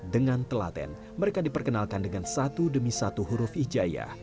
dengan telaten mereka diperkenalkan dengan satu demi satu huruf ijaya